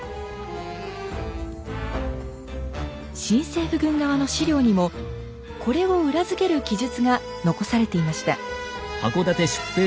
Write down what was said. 新政府軍側の史料にもこれを裏付ける記述が残されていました。